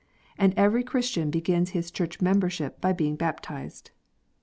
And every Christian [begins his Church membership by being baptized.